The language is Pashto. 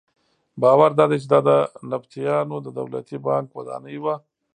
باور دادی چې دا د نبطیانو د دولتي بانک ودانۍ وه.